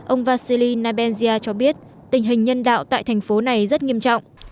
ông vasili nabenzia cho biết tình hình nhân đạo tại thành phố này rất nghiêm trọng